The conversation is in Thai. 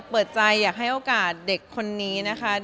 เปิดใจอยากให้โอกาสเด็กคนนี้นะคะ